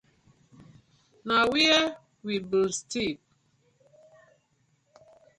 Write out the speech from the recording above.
Na where we been stip?